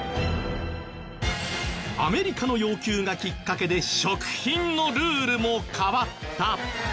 アメリカの要求がきっかけで食品のルールも変わった。